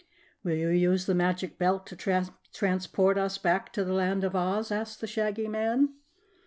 "Will you use the Magic Belt to transport us back to the Land of Oz?" asked the Shaggy Man.